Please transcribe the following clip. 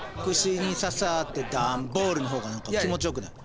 「串にささってダンボール」の方が何か気持ちよくない？